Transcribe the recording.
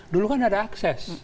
dulu kan ada akses